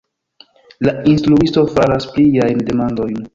La instruisto faras pliajn demandojn: